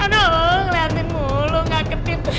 aduh ngeliatin mulu gak ketip